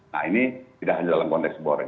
nah ini tidak hanya dalam konteks boring